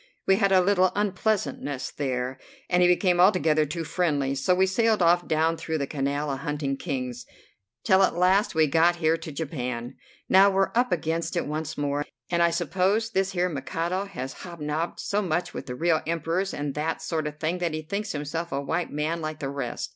We had a little unpleasantness there, and he became altogether too friendly, so we sailed off down through the Canal a hunting Kings, till at last we got here to Japan. Now we're up against it once more, and I suppose this here Mikado has hobnobbed so much with real Emperors and that sort of thing that he thinks himself a white man like the rest.